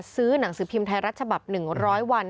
ซื้อหนังสือพิมพ์ไทยรัฐฉบับหนึ่งร้อยวัน